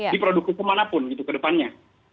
di produk hukum manapun ke depannya